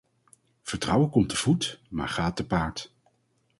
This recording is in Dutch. Vertrouwen komt te voet maar gaat te paard.